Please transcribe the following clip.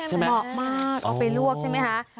เหมาะมากเอาไปลวกใช่ไหมคะ